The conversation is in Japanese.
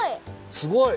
すごい！